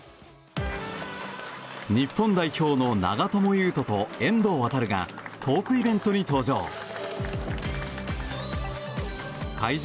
日本代表の長友佑都と遠藤航がトークイベントに登場。